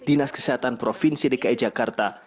dinas kesehatan provinsi dki jakarta